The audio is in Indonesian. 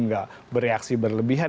enggak bereaksi berlebihan